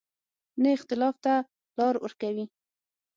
نه اختلاف ته لار ورکوي.